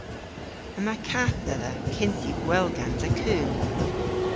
Yma kath dhedha kynth yw gwell gansa keun.